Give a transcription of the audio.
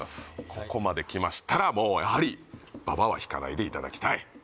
ここまできましたらもうやはりババは引かないでいただきたい